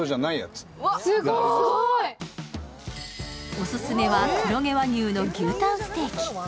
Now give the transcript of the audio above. オススメは黒毛和牛の牛たんステーキ。